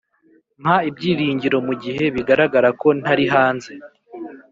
mpa ibyiringiro mugihe bigaragara ko ntari hanze.